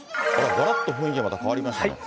がらっと雰囲気がまた変わりましたね。